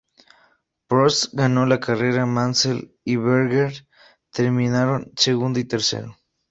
Prost ganó la carrera; Mansell y Berger terminaron segundo y tercero.